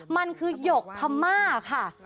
มันคือหยกพม่าค่ะ